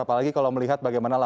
apalagi kalau melihat bagaimana